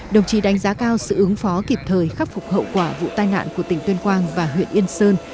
đồng chí đánh giá cao sự ứng phó kịp thời khắc phục hậu quả vụ tai nạn của tỉnh tuyên quang và huyện yên sơn